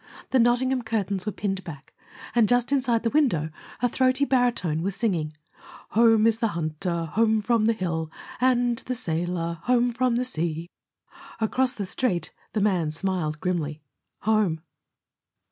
The Nottingham curtains were pinned back, and just inside the window a throaty barytone was singing: "Home is the hunter, home from the hill: And the sailor, home from sea." Across the Street, the man smiled grimly Home!